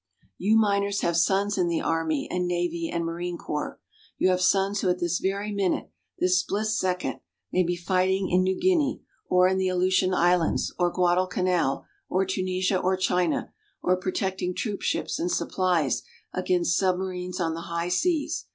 You miners have sons in the Army and Navy and Marine Corps. You have sons who at this very minute this split second may be fighting in New Guinea, or in the Aleutian Islands, or Guadalcanal, or Tunisia, or China, or protecting troop ships and supplies against submarines on the high seas.